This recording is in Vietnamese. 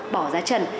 bỏ giá trần